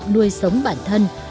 nuôi sống bản thân